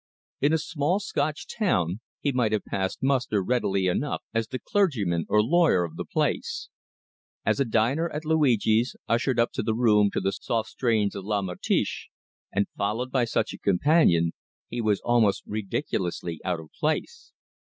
In a small Scotch town he might have passed muster readily enough as the clergyman or lawyer of the place. As a diner at Luigi's, ushered up the room to the soft strains of "La Mattchiche," and followed by such a companion, he was almost ridiculously out of place.